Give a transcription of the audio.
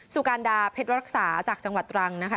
สุการดาเพชรรักษาจากจังหวัดตรังนะคะ